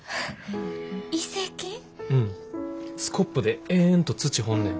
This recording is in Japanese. うんスコップで延々と土掘んねん。